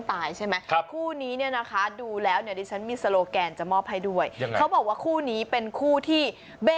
ไปต่อไม่รอแล้วน่ะน่าสงสารน่าเดี๋ยวน่ะตัวหลังไหนก่อนขึ้นเนี่ย